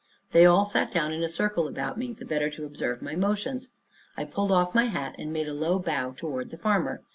They all sat down in a circle about me, the better to observe my motions. I pulled off my hat, and made a low bow toward the farmer.